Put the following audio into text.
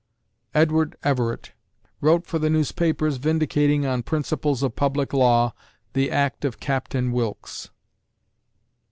Edward Everett ... wrote for the newspapers, vindicating on principles of public law, the act of Captain Wilkes.